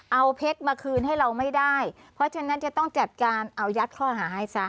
เอาเพชรมาคืนให้เราไม่ได้เพราะฉะนั้นจะต้องจัดการเอายัดข้อหาให้ซะ